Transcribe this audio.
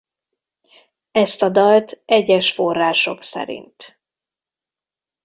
Ezt a dalt egyes források szerint.